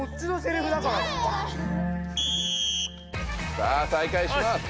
さあ再開します。